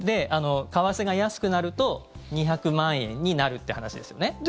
為替が安くなると２００万円になるって話ですね。